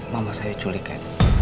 mama saya diculik ya